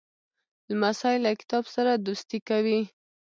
لمسی له کتاب سره دوستي کوي.